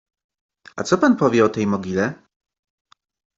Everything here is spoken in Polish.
— A co pan powie o tej mogile?